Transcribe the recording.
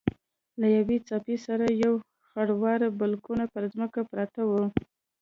له یوې څپې سره یو خروار بلګونه پر ځمکه پراته وو.